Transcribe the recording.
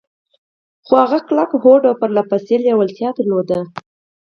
خو هغه کلک هوډ او پرله پسې لېوالتيا درلوده.